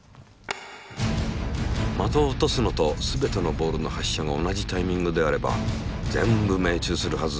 的を落とすのとすべてのボールの発射が同じタイミングであれば全部命中するはず。